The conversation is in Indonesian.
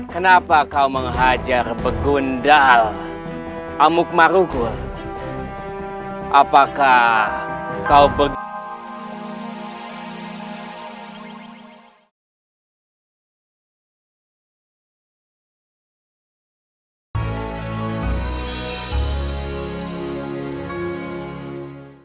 kenapa kau menghajar begundal amuk marukul apakah kau berdua